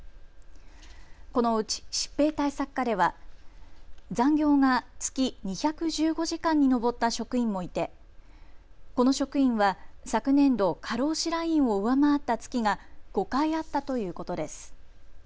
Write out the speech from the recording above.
このうち疾病対策課では残業が月２１５時間に上った職員もいてこの職員は昨年度、過労死ラインを上回った月が５回あったということです。